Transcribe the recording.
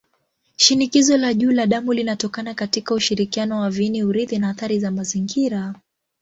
Shinikizo la juu la damu linatokana katika ushirikiano wa viini-urithi na athari za mazingira.